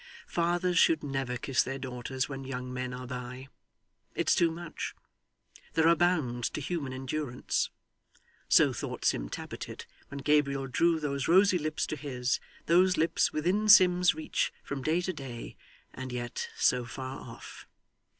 Fathers should never kiss their daughters when young men are by. It's too much. There are bounds to human endurance. So thought Sim Tappertit when Gabriel drew those rosy lips to his those lips within Sim's reach from day to day, and yet so far off.